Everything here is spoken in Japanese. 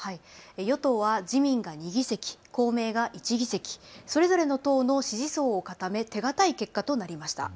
与党は自民が２議席、公明が１議席、それぞれの党の支持層を固め手堅い結果となりました。